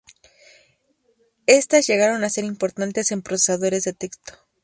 Estas llegaron a ser importantes en procesadores de texto.